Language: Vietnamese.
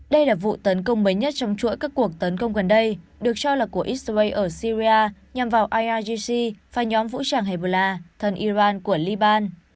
đây là vụ tấn công mới nhất trong chuỗi các cuộc tấn công gần đây được cho là của israel ở syria nhằm vào ieagc và nhóm vũ trang hebra thân iran của liban